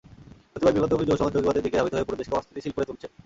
কতিপয় বিপথগামী যুবসমাজ জঙ্গিবাদের দিকে ধাবিত হয়ে পুরো দেশকে অস্থিতিশীল করে তুলছে।